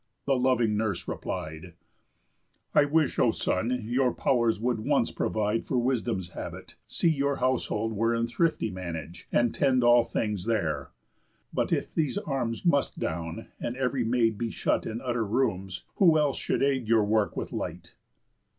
The loving nurse replied: "I wish, O son, your pow'rs would once provide For wisdom's habit, see your household were In thrifty manage, and tend all things there. But if these arms must down, and ev'ry maid Be shut in utter rooms, who else should aid Your work with light?"